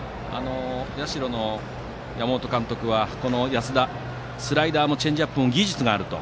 社の山本監督は安田についてスライダーもチェンジアップも技術があると。